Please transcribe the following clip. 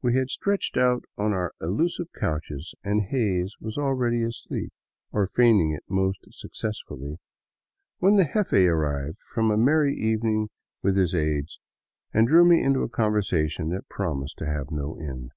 We had stretched out on our elusive couches, and Hays was already asleep — or feigning it most successfully, — when the jefe arrived from a merry evening with his aids and drew me into a conversation that promised to have no end.